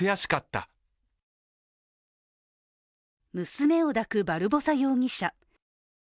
娘を抱くバルボサ容疑者。